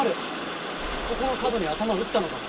ここの角に頭打ったのかも。